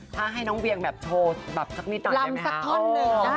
ถ้าให้น้องเวียงโทรสักนิดหน่อยได้ไหมคะ